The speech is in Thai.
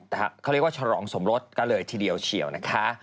เขาเรียกว่าฉลองสมรสก็เลยทีเดียวเฉียวนะคะ